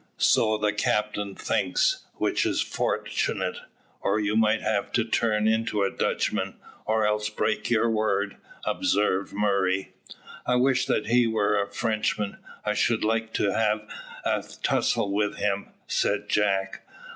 "So the captain thinks, which is fortunate, or you might have to turn into a Dutchman, or else break your word," observed Murray. "I wish that he were a Frenchman. I should so like to have a tussle with him," said Jack.